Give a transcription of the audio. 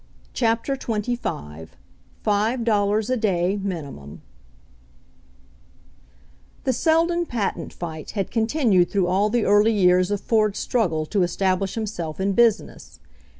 CHAPTER XXV FIVE DOLLARS A DAY MINIMUM The Seldon patent fight had continued through all the early years of Ford's struggle to establish himself in business.